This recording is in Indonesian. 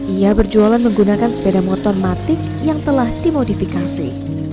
ia berjualan menggunakan sepeda motor matik yang telah dimodifikasi